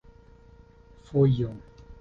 fojo